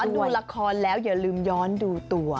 เขาบอกว่าดูละครแล้วอย่าลืมย้อนดูตัว